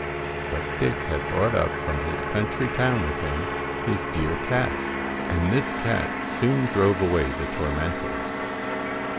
But Dick had brought up from his country town with him his dear cat, and this cat soon drove away the tormentors.